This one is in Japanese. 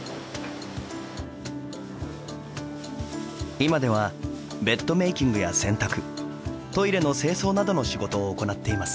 今ではベッドメーキングや洗濯トイレの清掃などの仕事を行っています。